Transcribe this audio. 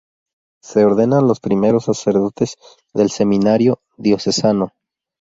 Se ordenan los primeros sacerdotes del Seminario Diocesano.